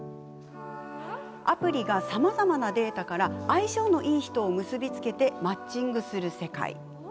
アプリがさまざまなデータから相性のいい人を結び付けマッチングする世界。